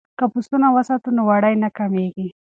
که پسونه وساتو نو وړۍ نه کمیږي.